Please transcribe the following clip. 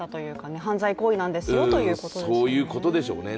犯罪行為なんですよということですよね。